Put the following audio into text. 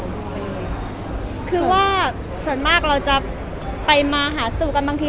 คือว่าส่วนมากเราจะไปมาหาสู่กันบางที